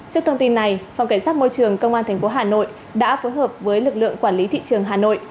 trước thông tin này phòng cảnh sát môi trường công an tp hà nội đã phối hợp với lực lượng quản lý thị trường hà nội